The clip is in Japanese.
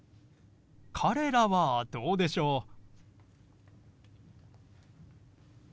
彼らはどうでしょう？